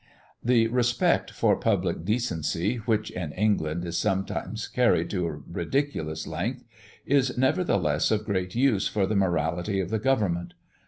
The respect for public decency, which in England is sometimes carried to a ridiculous length, is, nevertheless, of great use for the morality of the Government.